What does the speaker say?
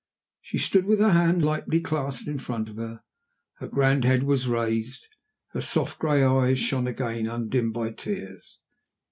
She stood with her hands lightly clasped in front of her. Her grand head was raised; her soft gray eyes shone again undimmed by tears.